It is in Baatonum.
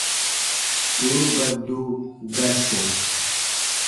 Sùuru ga do, ga sɛ̃.